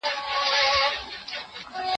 زه له سهاره سبزیجات جمع کوم؟